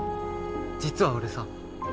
実は俺さ。